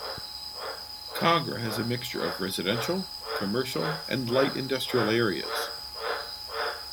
Kogarah has a mixture of residential, commercial and light industrial areas.